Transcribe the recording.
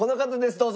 どうぞ！